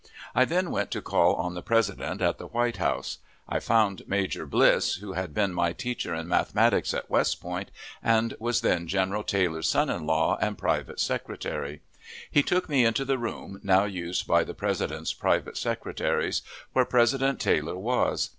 I then went to call on the President at the White House. I found Major Bliss, who had been my teacher in mathematics at West Point, and was then General Taylor's son in law and private secretary. He took me into the room, now used by the President's private secretaries, where President Taylor was.